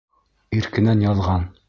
Иркенән яҙған